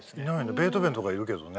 ベートーベンとかいるけどね。